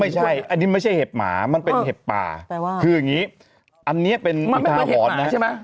ไม่ใช่อันนี้ไม่ใช่เห็บหมามันเป็นเห็บป่าแปลว่าคืออย่างนี้อันนี้เป็นอุทาหรณ์นะใช่ไหม